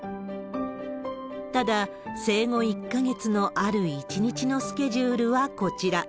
ただ、生後１か月のある一日のスケジュールはこちら。